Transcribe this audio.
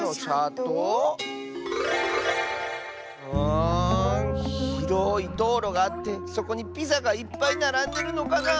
あひろいどうろがあってそこにピザがいっぱいならんでるのかなあ。